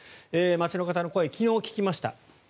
街の方の声昨日聞きました。